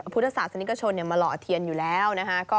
พุทธศาสนิกชนมาหล่อเทียนอยู่แล้วนะคะ